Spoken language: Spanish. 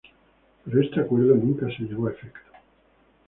Pero este acuerdo nunca se llevó a efecto.